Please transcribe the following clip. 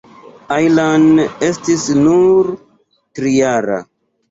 Ajlan estis nur trijara.